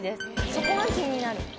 そこが気になる